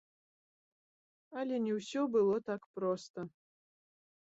Але не ўсё было так проста.